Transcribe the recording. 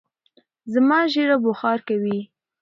زما ژېره بوخار کوی